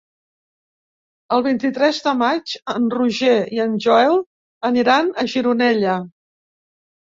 El vint-i-tres de maig en Roger i en Joel aniran a Gironella.